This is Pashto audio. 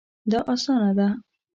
دا اسانه ده